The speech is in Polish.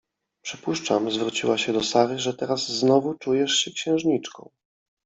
Przypuszczam — zwróciła się do Sary — że teraz znowu czujesz się księżniczką.